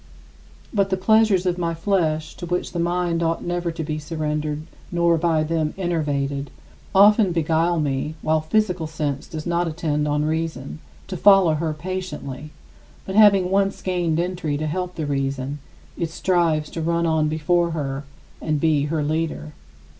But the pleasures of my flesh to which the mind ought never to be surrendered nor by them enervated often beguile me while physical sense does not attend on reason, to follow her patiently, but having once gained entry to help the reason, it strives to run on before her and be her leader.